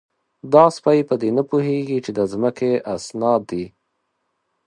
_دا سپۍ په دې نه پوهېږي چې د ځمکې اسناد دي؟